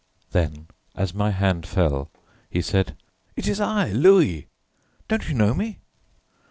then as my hand fell, he said: "It is I, Louis, don't you know me?"